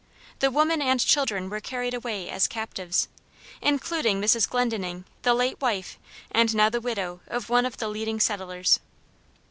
The women and children were carried away as captives, including Mrs. Glendenning, the late wife, and now the widow of one of the leading settlers.